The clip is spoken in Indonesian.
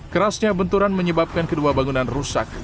kerasnya benturan menyebabkan kedua bangunan rusak